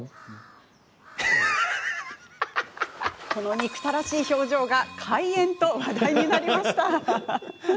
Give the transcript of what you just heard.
憎たらしい表情が怪演と話題になりました。